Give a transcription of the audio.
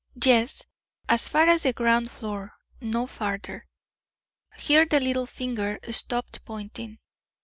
"Yes, as far as the ground floor; no farther." Here the little finger stopped pointing.